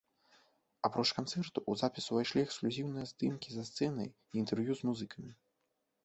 Апроч канцэрту, у запіс увайшлі эксклюзіўныя здымкі за сцэнай і інтэрв'ю з музыкамі.